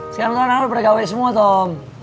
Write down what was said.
sekarang sekarang udah berdekat semua tom